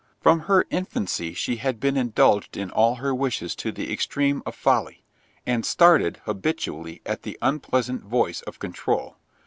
From her infancy she had been indulged in all her wishes to the extreme of folly, and started habitually at the unpleasant voice of control.